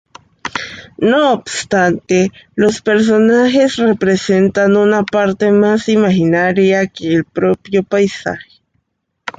No obstante, los personajes representan una parte mas imaginaria que el propio paisaje.